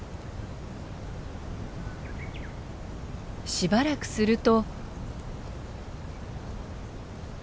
しばらくすると。